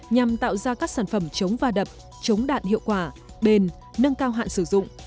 nhằm tạo ra các sản phẩm chống va đập chống đạn hiệu quả bền nâng cao hạn sử dụng